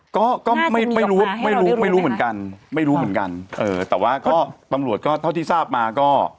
ก็ก็ไม่ไม่รู้ว่าไม่รู้ไม่รู้เหมือนกันไม่รู้เหมือนกันเออแต่ว่าก็ตำรวจก็เท่าที่ทราบมาก็